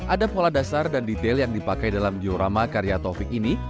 ada pola dasar dan detail yang dipakai dalam diorama karya taufik ini